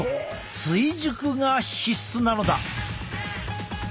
追熟が必須なのだ！